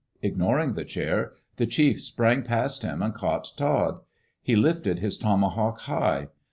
Ignoring the chair, the chief sprang past him and caught Todd. He lifted his tomahawk high.